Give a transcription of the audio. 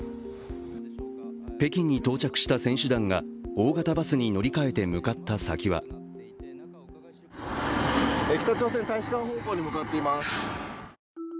北京に到着した選手団が大型バスに乗り換えて向かった先は北朝鮮大使館方向に向かっています。